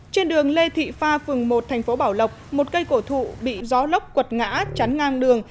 trên đường lê thị pha phường một thành phố bảo lộc một cây cổ thụ bị gió lốc quật ngã chắn ngang đường